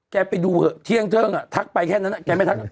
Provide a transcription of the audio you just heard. ไปดูเถอะเที่ยงเทิงอ่ะทักไปแค่นั้นแกไม่ทัก